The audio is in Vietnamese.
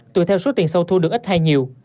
tùy theo số tiền sâu thu được ít hay nhiều